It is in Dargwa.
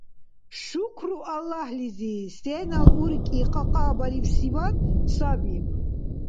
Шукру Аллагьлизи, сенал уркӀи кьакьабарибсиван саби…